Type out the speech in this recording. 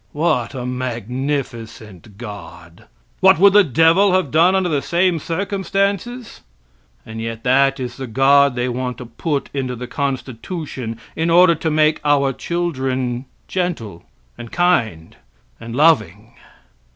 What a magnificent God! What would the devil have done under the same circumstances? And yet that is the God they want to put into the constitution in order to make our children gentle and kind and loving.